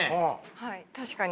はい確かに。